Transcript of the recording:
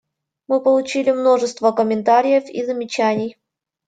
Мы получили множество комментариев и замечаний.